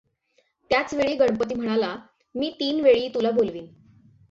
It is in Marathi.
त्याच वेळी गणपती म्हणाला मी तीन वेळी तुला बोलावीन.